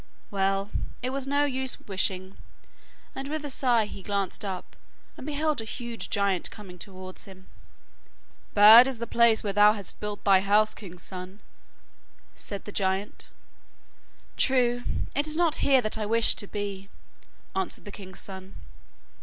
Well, it was no use wishing, and with a sigh he glanced up, and beheld a huge giant coming towards him. 'Bad is the place where thou hast built thy house, king's son,' said the giant. 'True; it is not here that I wish to be,' answered the king's son.